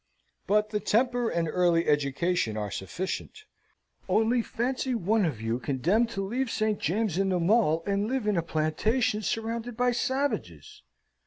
But the temper and early education are sufficient. Only fancy one of you condemned to leave St. James's and the Mall, and live in a plantation surrounded by savages!